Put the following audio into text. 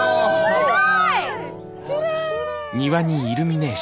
すごいね！